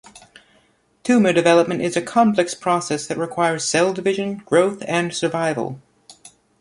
Tumor development is a complex process that requires cell division, growth, and survival.